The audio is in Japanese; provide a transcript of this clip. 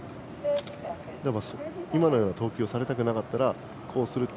今のような投球をされたくなかったらこうするって。